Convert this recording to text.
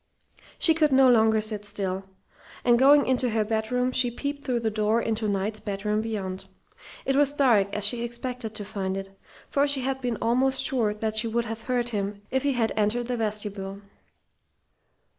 She could no longer sit still, and going into her bedroom she peeped through the door into Knight's room beyond. It was dark, as she expected to find it; for she had been almost sure that she would have heard him if he had entered the vestibule.